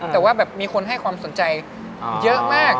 แต่ว่าแบบมีคนให้ความสนใจเยอะมาก